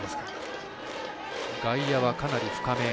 外野はかなり深め。